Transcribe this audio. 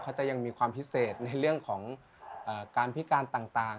จะยังมีความพิเศษในเรื่องของการพิการต่าง